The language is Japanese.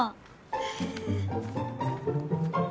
へえ。